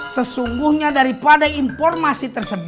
sesungguhnya daripada impian